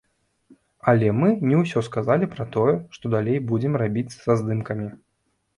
Але мы не ўсё сказалі пра тое, што далей будзем рабіць са здымкамі.